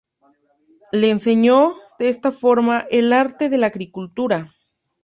Le enseñó, de esta forma, el arte de la agricultura.